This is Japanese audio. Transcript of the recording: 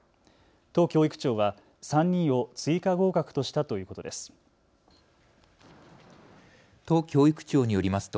都教育庁は３人を追加合格としたということです。